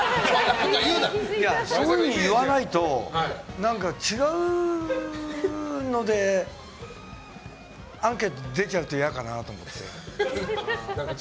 そういうふうに言わないと違うのでアンケート出ちゃうと嫌かなと思って。